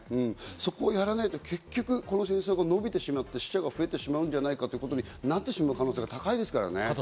そこをやらないと結局、この戦争が延びてしまって、死者が増えてしまうんじゃないかということになってしまう可能性が高いですからね。